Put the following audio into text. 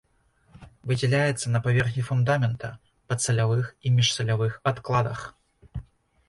Выдзяляецца па паверхні фундамента, падсалявых і міжсалявых адкладах.